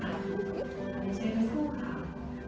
ขอบคุณภาพให้กับคุณผู้ฝ่าย